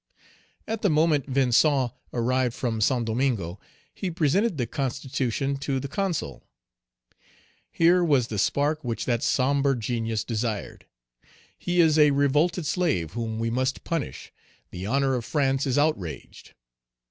At the moment Vincent arrived from Saint Domingo, he presented the constitution to the Consul. Here was the spark which that sombre genius desired. "He is a revolted slave whom we must punish; the honor of France is outraged."